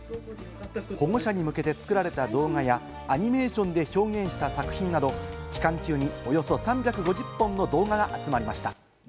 保護者に向けて作られた動画や、アニメーションで表現した作品など期間中におよそ３５０本の動画が集まりました。